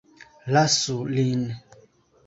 Lasu lin!